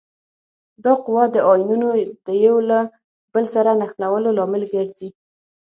دا قوه د آیونونو د یو له بل سره نښلولو لامل ګرځي.